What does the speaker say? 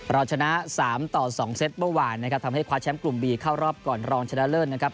เราชนะ๓ต่อ๒เซตเมื่อวานนะครับทำให้คว้าแชมป์กลุ่มบีเข้ารอบก่อนรองชนะเลิศนะครับ